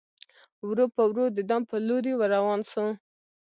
ورو په ورو د دام پر لوري ور روان سو